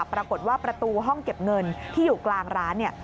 ประตูห้องเก็บเงินที่อยู่กลางร้านเนี่ย